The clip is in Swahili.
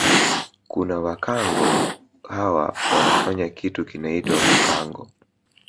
Kuna Bhakango hawa wanafanya kitu kinaitwa bhukango